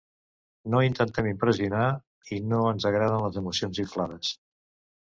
No intentem impressionar, i no ens agraden les emocions inflades.